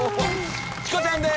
チコちゃんです。